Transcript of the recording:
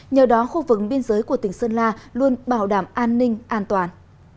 nhờ đó khu vực biên giới của tỉnh sơn la luôn bảo đảm an ninh an toàn